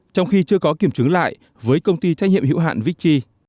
trong khi chưa có kiểm chứng lại với công ty trách nhiệm hữu hạn vicke